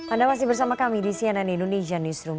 anda masih bersama kami di cnn indonesia newsroom